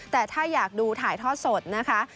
แต่ถ้าอยากดูถ่ายทอดสดนะคะ